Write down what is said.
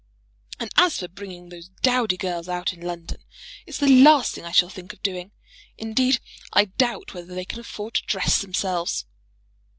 And as for bringing those dowdy girls out in London, it's the last thing I shall think of doing. Indeed, I doubt whether they can afford to dress themselves."